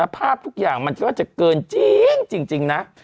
ภาพทุกอย่างมันก็จะเกินจริงนะ